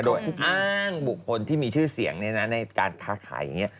โดยอ้างบุคคลที่มีชื่อเสียงในการค้าขายอย่างนี้